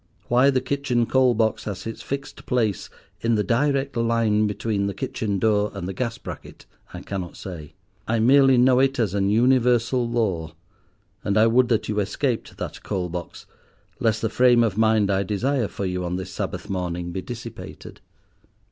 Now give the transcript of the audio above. Why the kitchen coal box has its fixed place in the direct line between the kitchen door and the gas bracket I cannot say. I merely know it as an universal law; and I would that you escaped that coal box, lest the frame of mind I desire for you on this Sabbath morning be dissipated.